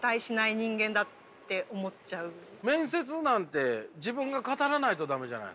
面接なんて自分が語らないと駄目じゃないですか。